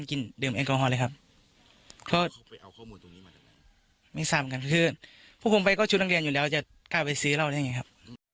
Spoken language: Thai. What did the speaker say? คือพวกเขาไปเอาข้อมูลตรงนี้มาดักหนึ่งนะครับ